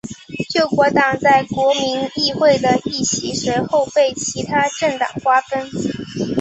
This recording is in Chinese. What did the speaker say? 救国党在国民议会的议席随后被其它政党瓜分。